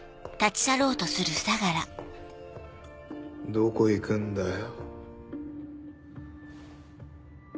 どこ行くんだよ？